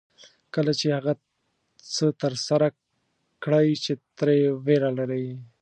کله چې هغه څه ترسره کړئ چې ترې وېره لرئ.